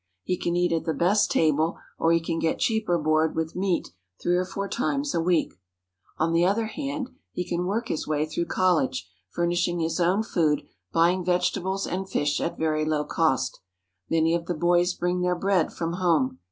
He can eat at the best table, or he can get cheaper board with meat three or four times a week. On the other hand, he can work his way through college, furnishing his own food, buying vegetables and fish at very low cost. Many of the boys bring their bread from home.